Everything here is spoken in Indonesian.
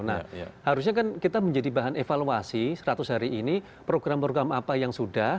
nah harusnya kan kita menjadi bahan evaluasi seratus hari ini program program apa yang sudah